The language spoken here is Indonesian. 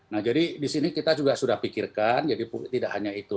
nah jadi disini kita sudah pikirkan jadi tidak hanya itu